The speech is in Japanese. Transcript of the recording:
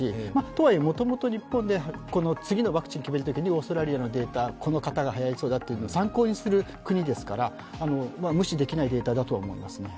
とはいえ、もともと日本で次のワクチン決めるときにオーストラリアのデータ、この型がはやりそうだと参考にする国ですから無視できないデータだとは思いますね。